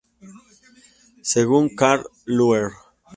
Según Carl Luer.